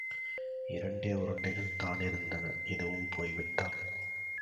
இரண்டே உருண்டைகள் தானிருந்தன, இதுவும் போய்விட்டால்.